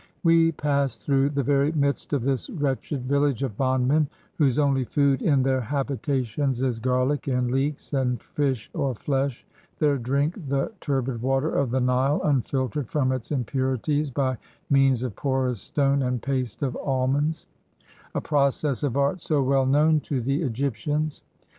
We passed through the very midst of this wretched 127 EGYPT village of bondmen, whose only food in their habitations is garlic, and leeks, and fish or flesh, their drink the tur bid water of the Nile, unfiltered from its impurities by means of porous stone and paste of almonds — a proc ess of art so well known to the Egyptians.